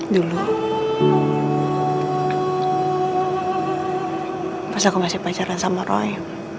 dulu pas aku ngasih pacaran sama roy